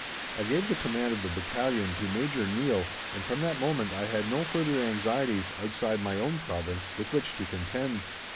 I gave the command of the battalion to Major Neill, and from that moment I had no further anxieties, outside my own province, with which to contend.